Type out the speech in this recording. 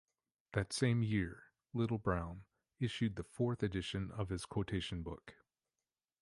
That same year, Little, Brown issued the fourth edition of his quotation book.